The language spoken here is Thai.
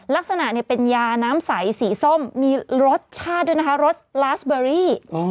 ลักษณะเป็นยาน้ำใสสีส้มมีรสชาติด้วยนะคะรสลาสเบอรี่